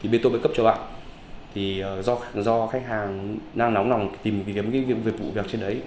bên tôi mới cấp cho bạn do khách hàng đang nóng nòng tìm những việc vụ việc trên đấy